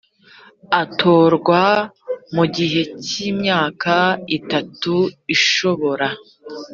atorwa mu gihe cy imyaka itatu ishobora